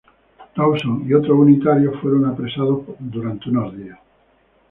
Rawson y otros unitarios fueron apresados por unos días.